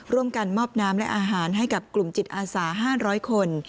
ร่วมกันมอบน้ำและอาหารให้กับกลุ่มจิตอาสา๕๐๐คน